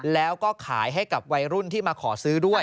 แล้วก็ขายให้กับวัยรุ่นที่มาขอซื้อด้วย